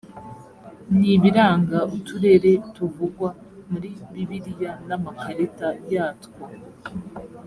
n ibiranga uturere tuvugwa muri bibiliya n amakarita yatwo